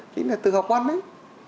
chính là từ học văn đấy